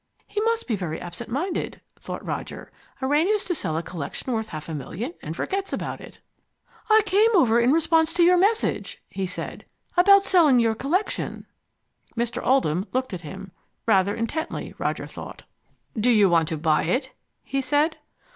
"He must be very absent minded," thought Roger. "Arranges to sell a collection worth half a million, and forgets all about it." "I came over in response to your message," he said. "About selling your collection." Mr. Oldham looked at him, rather intently, Roger thought. "Do you want to buy it?" he said.